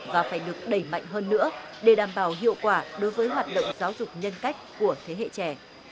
và phải được đẩy mạnh hơn nữa để đảm bảo hiệu quả đối với hoạt động giáo dục nhân cách của thế hệ trẻ